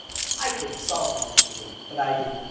I could have solved the mystery, but I didn't.